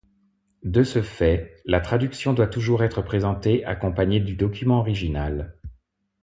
De ce fait la traduction doit toujours être présentée accompagnée du document original.